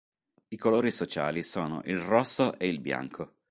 I colori sociali sono il rosso e il bianco.